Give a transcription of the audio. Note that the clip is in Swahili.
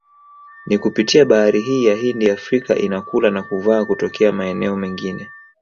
Ni kupitia bahari hii ya Hindi Afrika inakula na kuvaa kutokea maeneo mengine